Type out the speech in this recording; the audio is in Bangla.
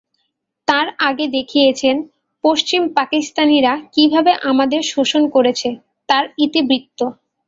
তার আগে দেখিয়েছেন পশ্চিম পাকিস্তানিরা কীভাবে আমাদের শোষণ করেছে, তার ইতিবৃত্ত।